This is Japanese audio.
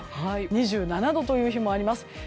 ２７度という日もあります。